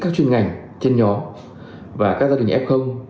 chuyên ngành chuyên nhóm và các gia đình f